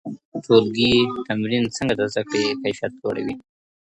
ټولګي تمرین څنګه د زده کړي کیفیت لوړوي؟